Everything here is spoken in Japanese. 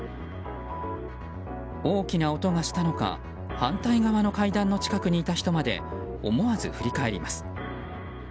大きな音がしたのか反対側の階段の近くにいた人まで思わず振り返ります。